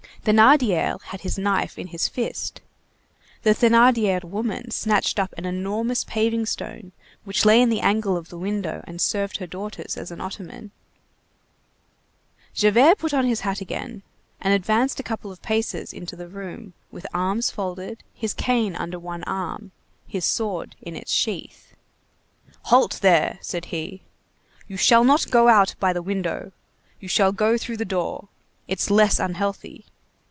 Thénardier had his knife in his fist. The Thénardier woman snatched up an enormous paving stone which lay in the angle of the window and served her daughters as an ottoman. [Illustration: Snatched up a Paving Stone] Javert put on his hat again, and advanced a couple of paces into the room, with arms folded, his cane under one arm, his sword in its sheath. "Halt there," said he. "You shall not go out by the window, you shall go through the door. It's less unhealthy.